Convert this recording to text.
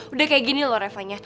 udah kayak gini loh revanya